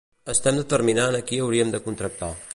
Estem determinant a qui hauríem de contractar.